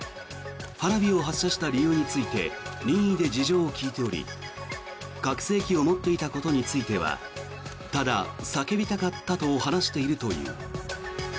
花火を発射した理由について任意で事情を聴いており拡声器を持っていたことについてはただ叫びたかったと話しているという。